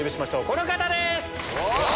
この方です。